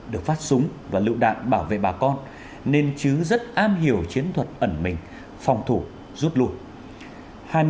được phát súng và lựu đạn bảo vệ bà con nên chứ rất am hiểu chiến thuật ẩn mình phòng thủ rút lui